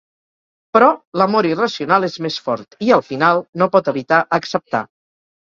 Però, l'amor irracional és més fort i, al final, no pot evitar acceptar.